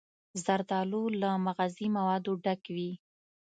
زردالو له مغذي موادو ډک وي.